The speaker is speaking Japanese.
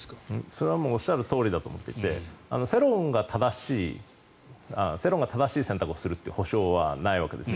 それはおっしゃるとおりだと思っていて世論が正しい選択をするという保証はないわけです。